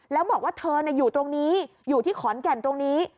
แล้วบอกว่าเธออยู่ตรงนี้อยู่ที่ขอนแก่นตรงนี้